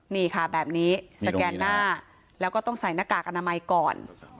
นี่ค่ะแบบนี้สแกนหน้าแล้วก็ต้องใส่หน้ากากอนามัยก่อน